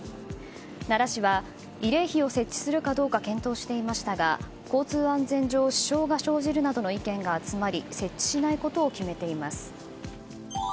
奈良市は慰霊碑を設置するかどうか検討していましたが交通安全上支障が生じるなどの意見が集まり設置しないことを決めています。